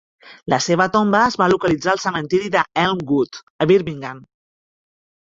La seva tomba es va localitzar al cementiri d'Elmwood, a Birmingham.